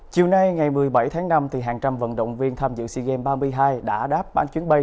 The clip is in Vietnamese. chiều nay ngày một mươi bảy tháng năm hàng trăm vận động viên tham dự sea games ba mươi hai đã đáp bán chuyến bay